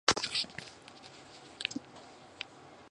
The interior is heavily beamed and features a large inglenook fireplace.